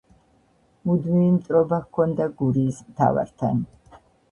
მუდმივი მტრობა ჰქონდა გურიის მთავართან.